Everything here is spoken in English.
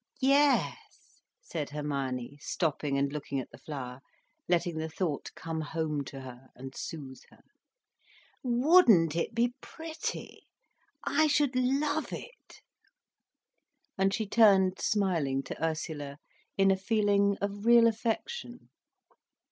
"Yes," said Hermione, stopping and looking at the flower, letting the thought come home to her and soothe her. "Wouldn't it be pretty? I should love it." And she turned smiling to Ursula, in a feeling of real affection.